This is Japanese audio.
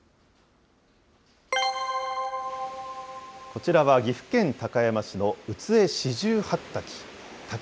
こちらは岐阜県高山市の宇津江四十八滝。